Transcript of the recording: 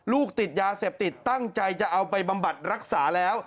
ติดยาเสพติดตั้งใจจะเอาไปบำบัดรักษาแล้ว